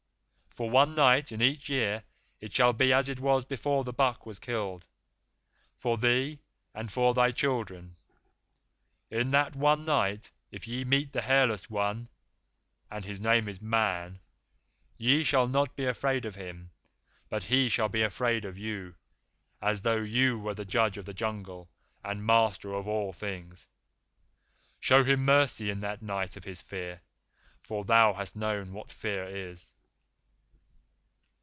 For one night in each year it shall be as it was before the buck was killed for thee and for thy children. In that one night, if ye meet the Hairless One and his name is Man ye shall not be afraid of him, but he shall be afraid of you, as though ye were judges of the Jungle and masters of all things. Show him mercy in that night of his fear, for thou hast known what Fear is.